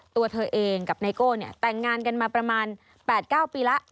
ตัวเธอเองกับไนโก้เนี่ยแต่งงานกันมาประมาณ๘๙ปีแล้ว